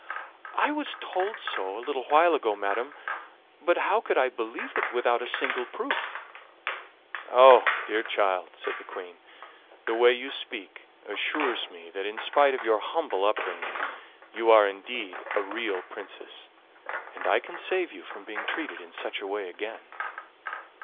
"I was told so a little while ago, madam, but how could I believe it without a single proof?" "Ah! dear child," said the Queen, "the way you speak assures me that, in spite of your humble upbringing, you are indeed a real princess, and I can save you from being treated in such a way again."